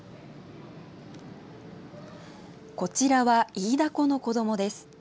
こちらはイイダコの子どもです。